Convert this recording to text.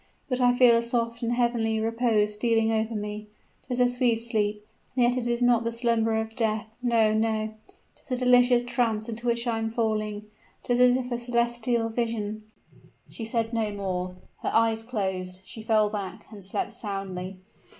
But I feel a soft and heavenly repose stealing over me 'tis a sweet sleep, and yet it is not the slumber of death! No, no; 'tis a delicious trance into which I am falling 'tis as if a celestial vision " She said no more. Her eyes closed, she fell back and slept soundly.